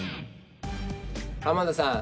浜田さん